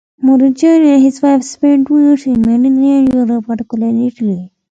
Murchison and his wife spent two years in mainland Europe, particularly in Italy.